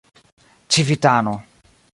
civitano